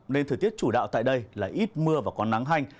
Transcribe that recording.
nên thời tiết chủ đạo tại đây là ít mưa và có nắng hành